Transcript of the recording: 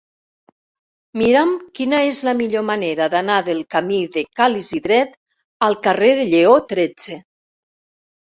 Mira'm quina és la millor manera d'anar del camí de Ca l'Isidret al carrer de Lleó tretze.